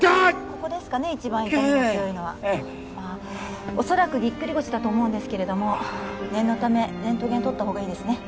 ここですかね一番痛みが強いのはおそらくぎっくり腰だと思うんですけれども念のためレントゲン撮った方がいいですね